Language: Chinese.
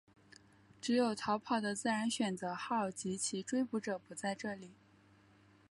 只有逃跑的自然选择号及其追捕者不在这里。